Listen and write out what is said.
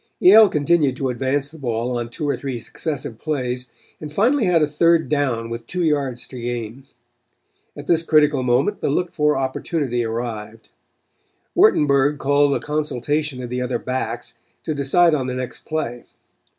Yale continued to advance the ball on two or three successive plays and finally had a third down with two yards to gain. At this critical moment the looked for opportunity arrived. Wurtenburg called a consultation of the other backs to decide on the next play.